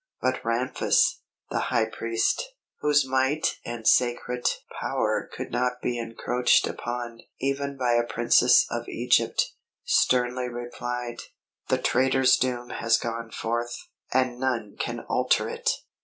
But Ramphis, the High Priest, whose might and sacred power could not be encroached upon even by a Princess of Egypt, sternly replied, "The traitor's doom has gone forth, and none can alter it!"